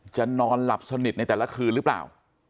นอนหลับสนิทในแต่ละคืนหรือเปล่า